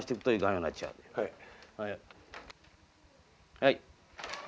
はい。